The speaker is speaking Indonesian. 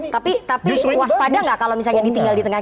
tapi waspada gak kalau misalnya ditinggal di tenggara